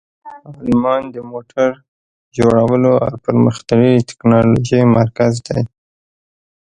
آلمان د موټر جوړولو او پرمختللې تکنالوژۍ مرکز دی.